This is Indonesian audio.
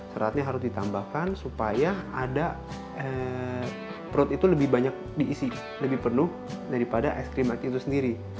seratnya harus ditambahkan supaya ada perut itu lebih banyak diisi lebih penuh daripada es krim art itu sendiri